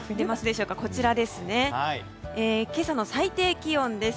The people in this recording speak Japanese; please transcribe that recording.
今朝の最低気温です。